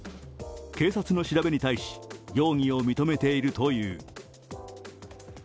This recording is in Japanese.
警察の調べに対し容疑を認めているという。